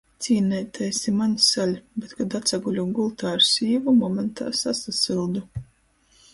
Cīneitais, i maņ saļ, bet kod atsaguļu gultā ar sīvu, momentā sasasyldu...